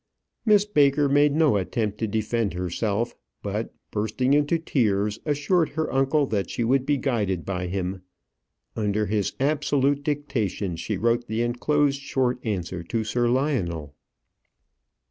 Miss Baker made no attempt to defend herself, but, bursting into tears, assured her uncle that she would be guided by him. Under his absolute dictation she wrote the enclosed short answer to Sir Lionel.